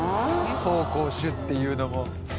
走攻守っていうのも。